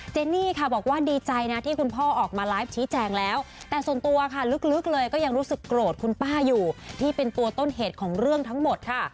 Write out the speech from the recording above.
เจนี่ค่ะบอกว่าดีใจนะที่คุณพ่อออกมาไลฟ์ชี้แจงแล้วแต่ส่วนตัวค่ะลึกเลยก็ยังรู้สึกโกรธคุณป้าอยู่ที่เป็นตัวต้นเหตุของเรื่องทั้งหมดค่ะ